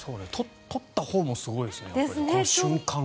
撮ったほうもすごいですね、この瞬間を。